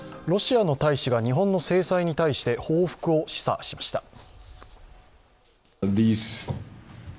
ロシアの大使が日本の制裁に対して報復を示唆しました。